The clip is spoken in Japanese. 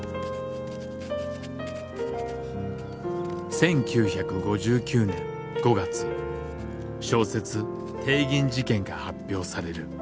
１９５９年５月「小説帝銀事件」が発表される。